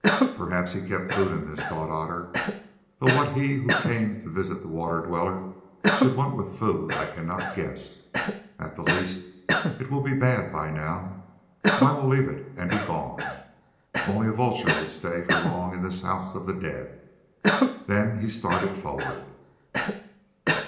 "Perhaps he kept food in this," thought Otter; "though what he who came to visit the Water Dweller should want with food I cannot guess. At the least it will be bad by now, so I will leave it and be gone. Only a vulture would stay for long in this house of the dead." Then he started forward.